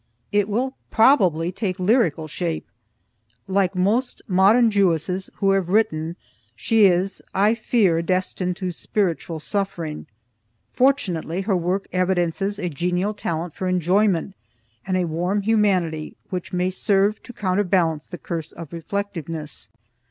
It will probably take lyrical shape. Like most modern Jewesses who have written, she is, I fear, destined to spiritual suffering: fortunately her work evidences a genial talent for enjoyment and a warm humanity which may serve to counterbalance the curse of reflectiveness.